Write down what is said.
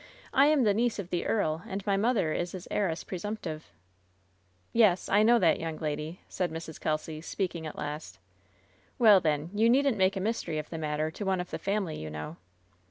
I am the niece of the earl, and my mother is his heiress pre sumptive." "Yes. I know that, young lady," said Mrs. Kelsy, speaking at last. 'Well, then, you needn't make a mystery of the mat ter to one of the family, you know."